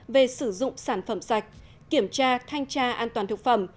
về sử dụng sản phẩm sạch kiểm tra thanh tra an toàn thực phẩm